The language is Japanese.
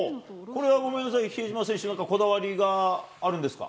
これはごめんなさい、比江島選手、なんかこだわりがあるんですか。